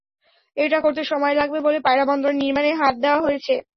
এটা করতে সময় লাগবে বলে পায়রা বন্দর নির্মাণে হাত দেওয়া হয়েছে।